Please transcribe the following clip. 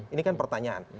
ini kan pertanyaan